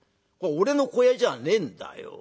俺の小屋じゃねえんだよ。